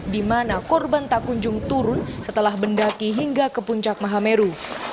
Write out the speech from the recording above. di mana korban tak kunjung turun setelah mendaki hingga ke puncak mahameru